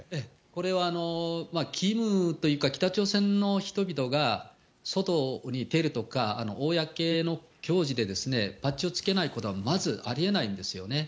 これはキムというか、北朝鮮の人々が、外に出るとか公の行事でバッジをつけないことはまずありえないんですよね。